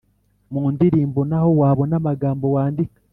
Mu indirimbo naho wabona amagambo wandika